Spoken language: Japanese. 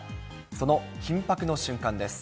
その緊迫の瞬間です。